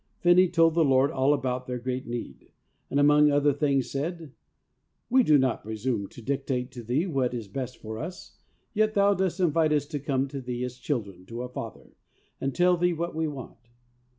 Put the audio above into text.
Finney told the Lord all about their great need, and among other things said, ' We do not presume to dictate to Thee what is best for us, yet Thou dost invite us to come to Thee as children to a father, and tell Thee what we want.